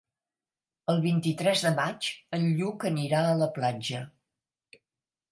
El vint-i-tres de maig en Lluc anirà a la platja.